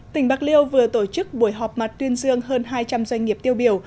tỉnh bạc liêu vừa tổ chức buổi họp mặt tuyên dương hơn hai trăm linh doanh nghiệp tiêu biểu